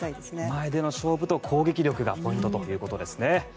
前での勝負と攻撃力がポイントということですね。